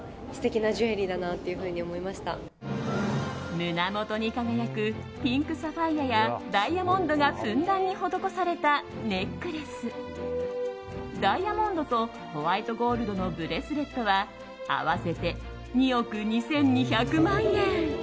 胸元に輝くピンクサファイアやダイヤモンドがふんだんに施されたネックレスダイヤモンドとホワイトゴールドのブレスレットは合わせて２億２２００万円。